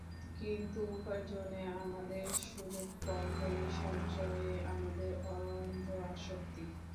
কিন্তু উপার্জনে আমাদের সুযোগ কম বলেই সঞ্চয়ে আমাদের অন্ধ আসক্তি।